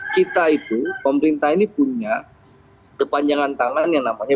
kita itu pemerintah ini punya kepanjangan tangan yang namanya